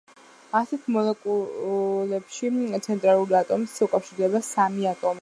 ასეთ მოლეკულებში ცენტრალურ ატომს უკავშირდება სამი ატომი.